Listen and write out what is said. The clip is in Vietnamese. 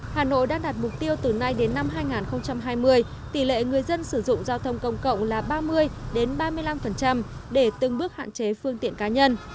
hà nội đã đạt mục tiêu từ nay đến năm hai nghìn hai mươi tỷ lệ người dân sử dụng giao thông công cộng là ba mươi ba mươi năm để từng bước hạn chế phương tiện cá nhân